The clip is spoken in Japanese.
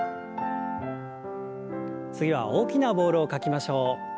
次は大きなボールを描きましょう。